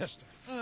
あ！